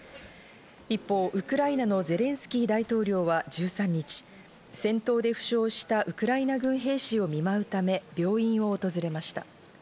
一方、ウクライナのゼレンスキー大統領は１３日、先頭で負傷したウクライナ軍兵士を見舞うため、病院を訪れました。